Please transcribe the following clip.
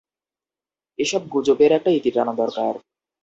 এসব গুজবের একটা ইতি টানা দরকার।